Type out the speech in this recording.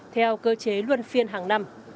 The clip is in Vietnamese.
theo cơ chế luân phiên hàng năm